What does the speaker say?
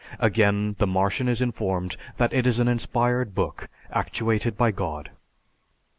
Again, the Martian is informed that it is an inspired book actuated by God.